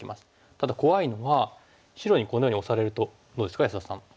ただ怖いのは白にこのようにオサれるとどうですか安田さん。